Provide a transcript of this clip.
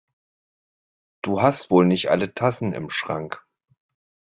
Du hast wohl nicht alle Tassen im Schrank!